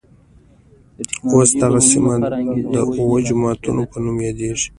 اوس دغه سیمه د اوه جوماتونوپه نوم يادېږي.